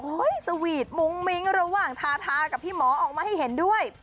สวีทมุ้งมิ้งระหว่างทาทากับพี่หมอออกมาให้เห็นด้วย